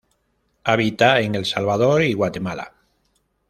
Habita en el El Salvador y Guatemala.